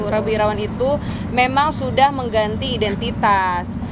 rabu irawan itu memang sudah mengganti identitas